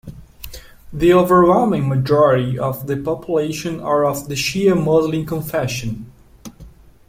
The overwhelming majority of the population are of the Shia Muslim confession.